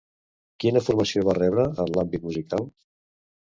Quina formació va rebre en l'àmbit musical?